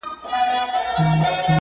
بلکي درېيم ارزښت دی چي